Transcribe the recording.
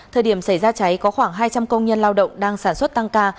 thời điểm xảy ra cháy có khoảng hai trăm linh công nhân lao động đang sản xuất tăng ca